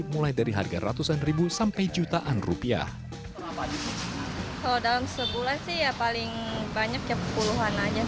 mulai dari harga ratusan ribu sampai jutaan rupiah